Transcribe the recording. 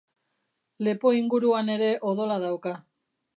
Lepo inguruan ere odola dauka.